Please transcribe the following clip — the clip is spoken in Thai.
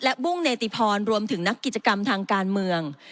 และบุ้งเนติพรรวมถึงนักกิจกรรมทางการเมือง